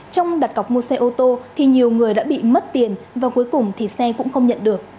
trong đặt cọc mua xe ô tô thì nhiều người đã bị mất tiền và cuối cùng thì xe cũng không nhận được